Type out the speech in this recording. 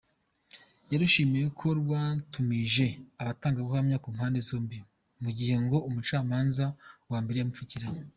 Yarushimiye ko rwatumije abatangabuhamya ku mpande zombi mu gihe ngo umucamanza wa mbere yamupfukiranye.